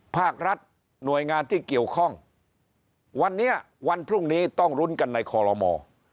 ภาครัฐหน่วยงานที่เกี่ยวข้องวันนี้วันพรุ่งนี้ต้องลุ้นกันในคอลโลมอร์